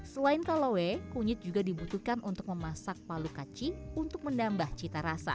selain kalowe kunyit juga dibutuhkan untuk memasak palu kacing untuk menambah cita rasa